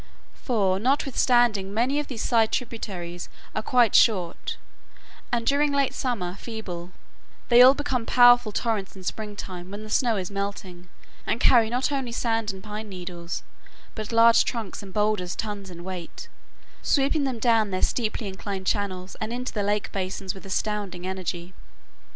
For, notwithstanding many of these side tributaries are quite short, and, during late summer, feeble, they all become powerful torrents in springtime when the snow is melting, and carry not only sand and pine needles, but large trunks and boulders tons in weight, sweeping them down their steeply inclined channels and into the lake basins with astounding energy.